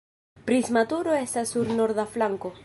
Prisma turo estas sur norda flanko.